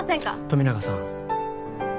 富永さん